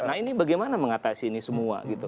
nah ini bagaimana mengatasi ini semua gitu